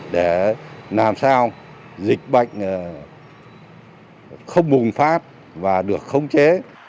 để làm sao dịch bệnh không bùng phát và được khống chế